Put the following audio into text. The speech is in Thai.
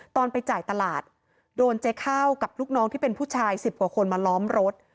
ตอนไปจ่ายตลาดโดนเจ๊ข้าวกับลูกน้องที่เป็นผู้ชาย๑๐กว่าคนมาล้อมรถ